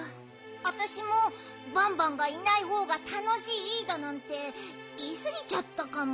あたしもバンバンがいないほうがたのしいだなんていいすぎちゃったかも。